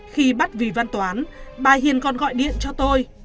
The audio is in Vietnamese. khi bắt vì văn toán bà hiền còn gọi điện cho tôi